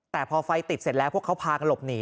แต่พอไฟติดเสร็จแล้วพวกเขาพากันหลบหนี